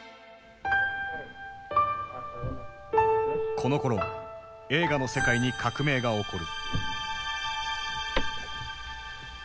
このころ映画の世界に革命が起こる。